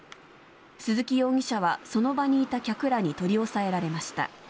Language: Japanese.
鈴木容疑者はその場にいた客らに取り押さえられました。